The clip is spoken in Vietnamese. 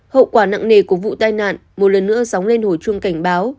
hậu quả nặng nề của vụ tai nạn một lần nữa sóng lên hồi chuông cảnh báo